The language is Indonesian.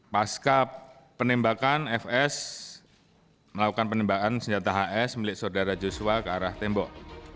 pasca penembakan fs melakukan penembakan senjata hs milik saudara joshua ke arah tembok